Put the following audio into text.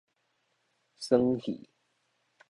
耍戲